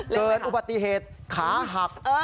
เกิดอุบัติเหตุขาหัก